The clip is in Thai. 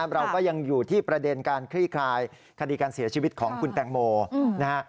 เราก็ยังอยู่ที่ประเด็นการคลี่คลายคดีการเสียชีวิตของคุณแตงโมนะฮะ